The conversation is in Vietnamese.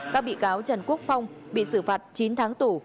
các bị cáo trần quốc phong bị xử phạt chín tháng tù